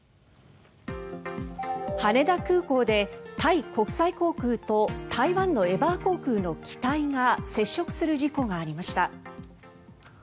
羽田空港でタイ国際航空と台湾のエバー航空の機体が接触する事故がありました。